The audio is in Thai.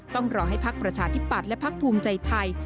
ต้องรอให้พักประชาธิปัตย์และพักภูมิใจไทย